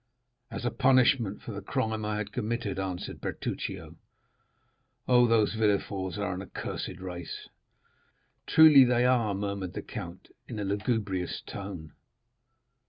"As a punishment for the crime I had committed," answered Bertuccio. "Oh, those Villeforts are an accursed race!" "Truly they are," murmured the count in a lugubrious tone.